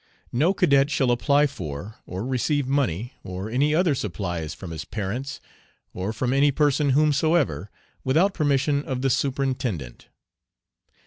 No Cadet shall apply for, or receive money, or any other supplies from his parents, or from any person whomsoever, without permission of the Superintendent.